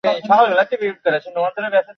কাউকে দিয়ে এসব পরিষ্কার কর।